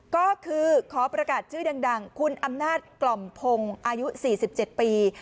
ก็คือขอประกาศชื่อดังคุณอำนาจกล่อมพงศ์อายุ๔๗ปี